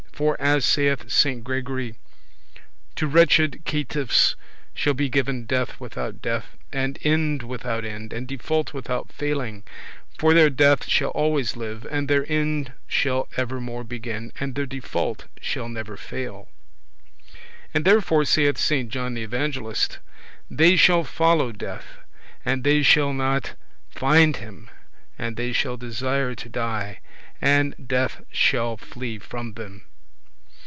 For, as saith Saint Gregory, "To wretched caitiffs shall be given death without death, and end without end, and default without failing; for their death shall always live, and their end shall evermore begin, and their default shall never fail." And therefore saith Saint John the Evangelist, "They shall follow death, and they shall not find him, and they shall desire to die, and death shall flee from them."